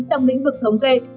trong lĩnh vực thống kê